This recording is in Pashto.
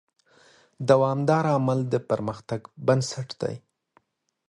دوامداره عمل د پرمختګ بنسټ دی.